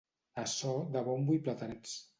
A so de bombo i platerets.